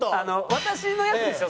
私のやつでしょ？